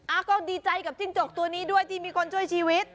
ก็ดีใจกับจิ้งจกตัวนี้ด้วยที่มีคนช่วยชีวิต